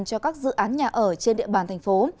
cho các dự án nhà ở trên địa bàn thành phố